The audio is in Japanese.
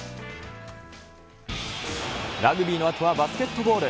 ラグビーのあとはバスケットボール。